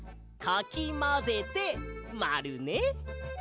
かきまぜてまるね。